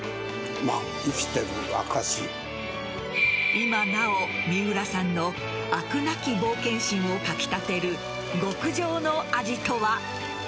今なお、三浦さんの飽くなき冒険心をかき立てる極上の味とは。